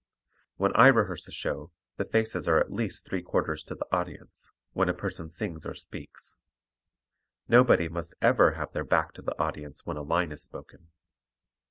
When I rehearse a show the faces are at least three quarters to the audience, when a person sings or speaks. Nobody must ever have their back to the audience when a line is spoken.